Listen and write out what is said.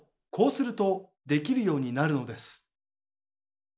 こうするとできるようになるのです。